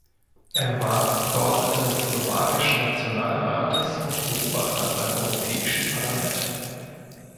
Er war Abgeordneter des Slowakischen Nationalrates und Beobachter beim Europäischen Parlament.